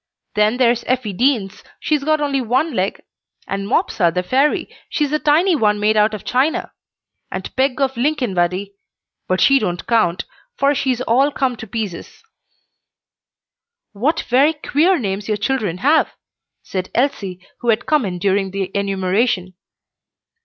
Then there's Effie Deans, she's only got one leg; and Mopsa the Fairy, she's a tiny one made out of china; and Peg of Linkinvaddy, but she don't count, for she's all come to pieces." "What very queer names your children have!" said Elsie, who had come in during the enumeration.